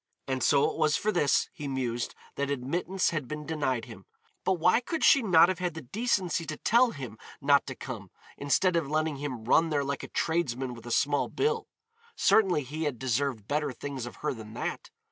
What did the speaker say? And so it was for this, he mused, that admittance had been denied him. But why could she not have had the decency to tell him not to come instead of letting him run there like a tradesman with a small bill? Certainly he had deserved better things of her than that.